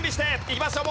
いきますよ